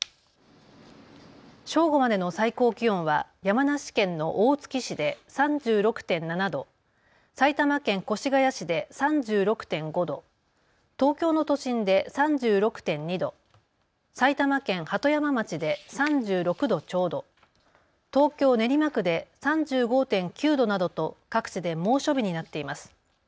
正午までの最高気温は山梨県の大月市で３６．７度、埼玉県越谷市で３６．５度、東京の都心で３６．２度、埼玉県鳩山町で３６度ちょうど、東京練馬区で３５．９度などと各地で猛暑日になっています。